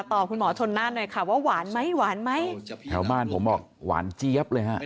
คุณหมอชนน่านหน่อยค่ะว่าหวานไหมหวานไหมแถวบ้านผมบอกหวานเจี๊ยบเลยฮะ